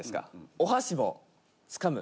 お箸もつかむ。